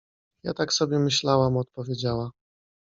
— Ja tak sobie myślałam… — odpowiedziała.